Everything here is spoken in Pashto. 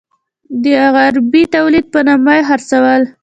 د عربي تولید په نامه یې خرڅول.